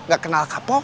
gak kenal kapok